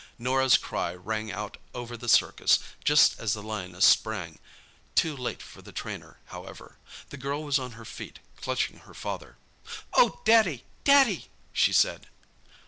Norah's cry rang out over the circus, just as the lioness sprang—too late for the trainer, however. The girl was on her feet, clutching her father. "Oh, Daddy—Daddy!" she said.